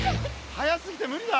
速すぎて無理だ。